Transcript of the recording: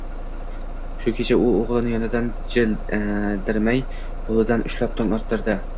Shu kecha u o‘g‘lini yonidan jildirmay, qo‘lidan ushlab, tong ottirdi.